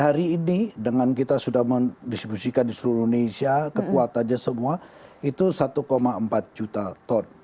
hari ini dengan kita sudah mendistribusikan di seluruh indonesia kekuatannya semua itu satu empat juta ton